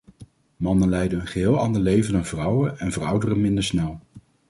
Mannen leiden een geheel ander leven dan vrouwen en verouderen minder snel.